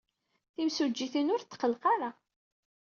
Timsujjit-inu ur tetqelleq ara.